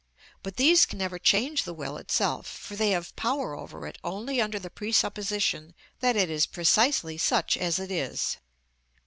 But these can never change the will itself; for they have power over it only under the presupposition that it is precisely such as it is.